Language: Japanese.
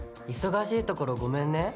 忙しいところごめんね！